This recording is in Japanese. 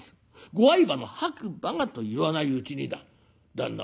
ご愛馬の白馬が』と言わないうちにだ旦那